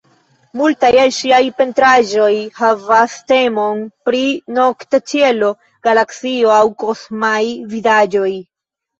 Multaj el ŝiaj pentraĵoj havas temon pri nokta ĉielo, galaksio aŭ kosmaj vidaĵoj.